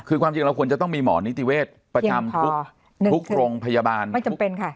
คือความจริงเราควรจะต้องมีหมอนิติเวศประจำทุกโรงพยาบาลไม่จำเป็นค่ะ